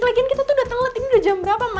lagian kita tuh udah tenggelet ini udah jam berapa